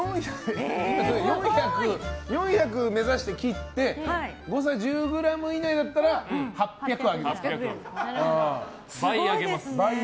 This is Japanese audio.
４００目指して切って誤差１０ｇ以内だったら倍あげます。